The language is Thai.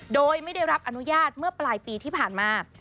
โดยไม่ได้รับอนุญาตเมื่อปลายปีที่ผ่านมา